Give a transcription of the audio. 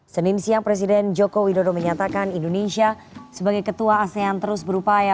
senin siang presiden joko widodo menyatakan indonesia sebagai ketua asean terus berupaya